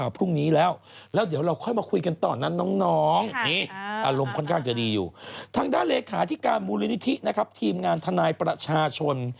พื้นที่นะฮะทีมงานทนายประชาชน